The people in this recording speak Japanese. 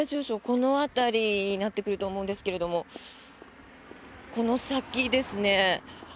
この辺りになってくると思うんですがこの先ですね。